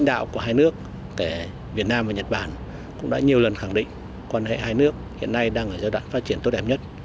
đạo của hai nước việt nam và nhật bản cũng đã nhiều lần khẳng định quan hệ hai nước hiện nay đang ở giai đoạn phát triển tốt đẹp nhất